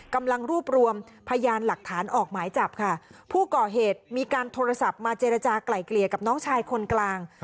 กำลังรวบรวมพยานหลักฐานออกหมายจับค่ะผู้ก่อเหตุมีการโทรศัพท์มาเจรจากลายเกลี่ยกับน้องชายคนกลาง